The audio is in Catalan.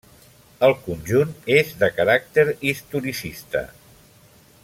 El conjunt és de caràcter historicista.